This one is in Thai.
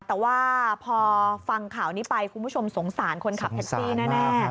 แต่ว่าพอฟังข่าวนี้ไปคุณผู้ชมสงสารคนขับแท็กซี่แน่